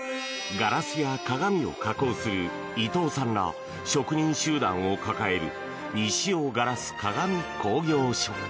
ガラスや鏡を加工する伊藤さんら職人集団を抱える西尾硝子鏡工業所。